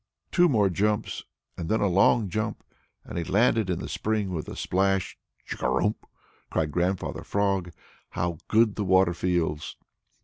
Two more jumps and then a long jump, and he had landed in the spring with a splash! "Chugarum!" cried Grandfather Frog. "How good the water feels!"